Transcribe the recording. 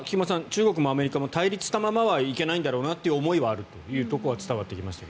中国もアメリカも対立したままはいけないんだろうなという思いはあるというところは伝わってきました。